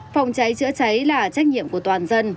phòng cháy chữa cháy là trách nhiệm của toàn dân